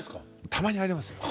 たまにありますよ。